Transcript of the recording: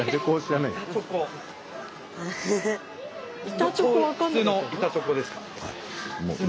板チョコ普通の板チョコですか？